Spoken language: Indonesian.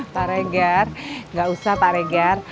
pak regar gak usah pak regar